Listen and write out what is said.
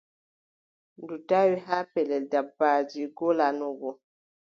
Ndu tawi haa pellel dabbaaji ngoolaano go,